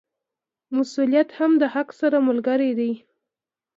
مسوولیت هم د حق سره ملګری دی.